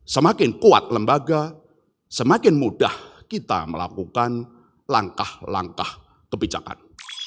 semakin kuat lembaga semakin mudah kita melakukan langkah langkah kebijakan